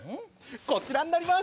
こちらになります！